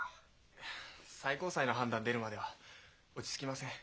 いや最高裁の判断出るまでは落ち着きません。